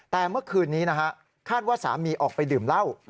แต่เมื่อคืนนี้นะฮะคาดว่าสามีออกไปดื่มเหล้า